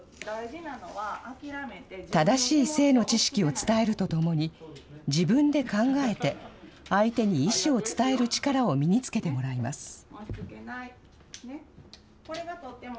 正しい性の知識を伝えるとともに、自分で考えて、相手に意思を伝える力を身につけてもらいます。